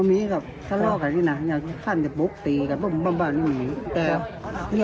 มีกับทะเล่ากันดินะอย่างที่ขั้นแบบปุ๊บตีกันปูบบับบันเราก็เป็นแบบนี้